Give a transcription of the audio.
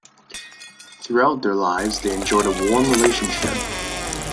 Throughout their lives, they enjoyed a warm relationship.